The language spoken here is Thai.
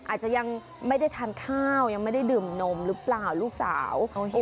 อาจจะยังไม่ได้ทานข้าวยังไม่ได้ดื่มนมหรือเปล่าลูกสาว